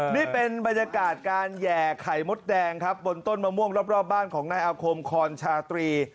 นี่เป็นบรรยากาศการแห่ไข่มดแดงครับบนต้นมะม่วงรอบบ้านของนายอาคมคอนชาตรี